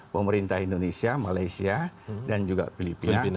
pemerintah indonesia malaysia dan juga filipina